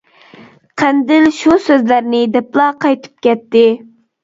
قەندىل شۇ سۆزلەرنى دەپلا قايتىپ كەتتى.